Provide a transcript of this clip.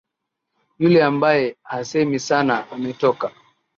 Yule ambaye hasemi sana, ametoka.